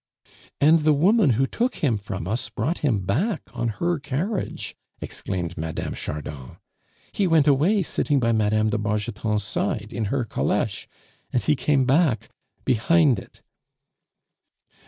"And the woman who took him from us brought him back on her carriage!" exclaimed Mme. Chardon. "He went away sitting by Mme. de Bargeton's side in her caleche, and he came back behind it."